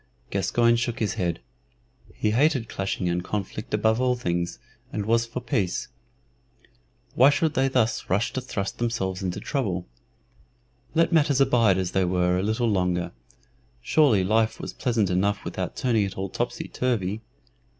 Gascoyne shook his head. He hated clashing and conflict above all things, and was for peace. Why should they thus rush to thrust themselves into trouble? Let matters abide as they were a little longer; surely life was pleasant enough without turning it all topsy turvy.